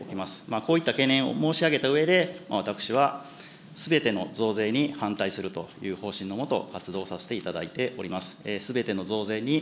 こういった懸念を申し上げたうえで、私はすべての増税に反対するという方針のもと、活動させていただいております。